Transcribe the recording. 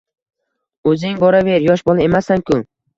O`zing boraver, yosh bola emassan-ku